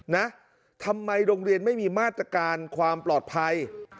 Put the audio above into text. นะทำไมโรงเรียนไม่มีมาตรการความปลอดภัย